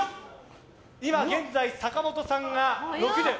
今現在、坂本さんが伸びる。